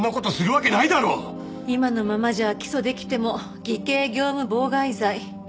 今のままじゃ起訴できても偽計業務妨害罪。